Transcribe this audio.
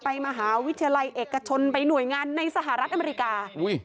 มหาวิทยาลัยเอกชนไปหน่วยงานในสหรัฐอเมริกา